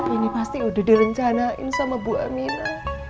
ini pasti udah direncanain sama bu emina